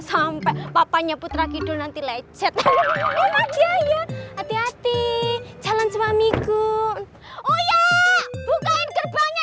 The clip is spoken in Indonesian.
sampai jumpa di video selanjutnya